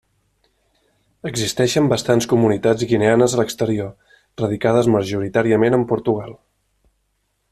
Existeixen bastants comunitats guineanes a l'exterior, radicades majoritàriament en Portugal.